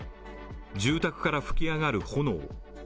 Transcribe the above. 住宅から噴き上がる炎。